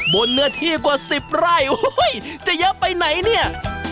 บนเนื้อที่กว่า๑๐ไร่โอ้โหจะเยอะไปไหนเนี่ย